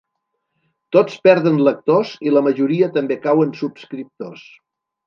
Tots perden lectors i la majoria també cau en subscriptors.